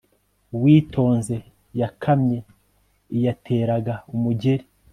uwitonze yakamye iyateraga umugeri